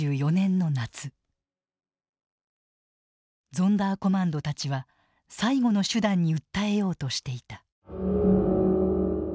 ゾンダーコマンドたちは最後の手段に訴えようとしていた。